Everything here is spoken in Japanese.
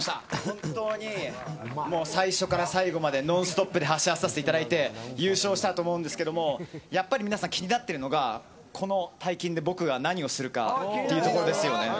本当に最初から最後までノンストップで走らさせていただいて優勝したと思うんですけどやっぱり皆さん気になってるのがこの大金で僕が何をするかですよね。